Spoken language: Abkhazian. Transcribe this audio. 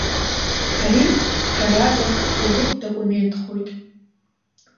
Ари, ҳәарада, ҭоурыхтә документхоит!